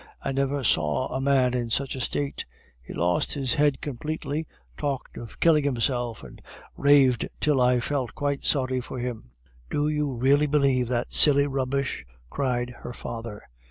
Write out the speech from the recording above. I never saw a man in such a state. He lost his head completely, talked of killing himself, and raved till I felt quite sorry for him." "Do you really believe that silly rubbish?"... cried her father.